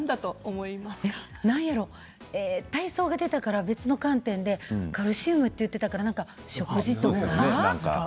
なんやろ体操が出たから別の観点でカルシウムと言っていたから食事法とか？